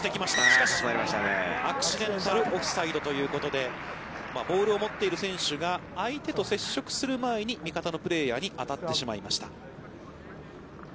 しかし、アクシデンタルオフサイドということで、ボールを持っている選手が相手と接触する前に味方のプレーヤーに当たってしまいました。